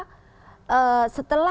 yang sangat mendasar sangat besar